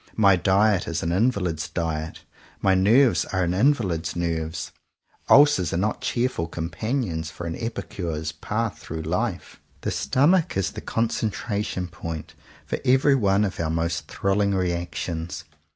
My diet is an invalid's diet, my nerves are an invalid's 125 CONFESSIONS OF TWO BROTHERS nerves. Ulcers are not cheerful companions for an Epicure's path through life. The Stomach is the concentration point for every one of our most thrilling reactions.